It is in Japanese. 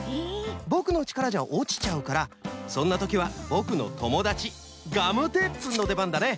ぼくのちからじゃおちちゃうからそんなときはぼくのともだちガムテープくんのでばんだね！